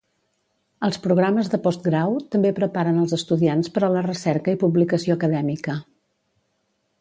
Els programes de postgrau també preparen als estudiants per a la recerca i publicació acadèmica.